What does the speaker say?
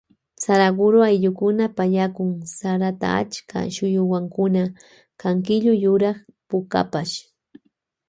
Saraguro ayllukuna pallakun sarata achka shuyuwankuna kan killu yurak pukapash.